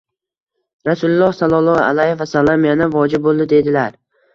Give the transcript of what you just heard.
Rasululloh sallollohu alayhi vasallam yana: “vojib bo‘ldi”, dedilar